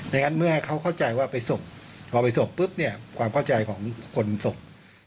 งั้นเมื่อเขาเข้าใจว่าไปส่งพอไปศพปุ๊บเนี่ยความเข้าใจของคนศพ